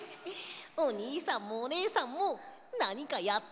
おにいさんもおねえさんもなにかやってくれない？